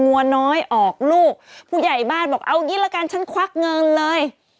งัวน้อยออกลูกผู้ใหญ่บ้านบอกเอางี้ละกันฉันควักเงินเลย